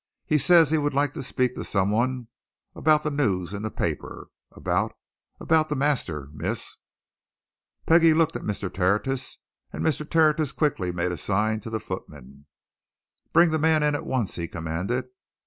"He says he would like to speak to some one about the news in the paper about about the master, miss." Peggie looked at Mr. Tertius. And Mr. Tertius quickly made a sign to the footman. "Bring the man in at once," he commanded.